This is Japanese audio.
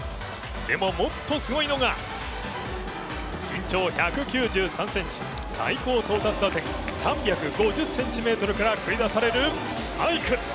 でも、もっとすごいのが、身長１９３ｃｍ最高到達打点３５０ｃｍから繰り出されるスパイク。